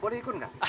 boleh ikut gak